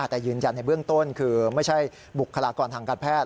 แต่ยืนยันในเบื้องต้นคือไม่ใช่บุคลากรทางการแพทย์